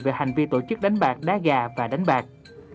về hành vi tổ chức đánh bạc đá gà và đánh bạc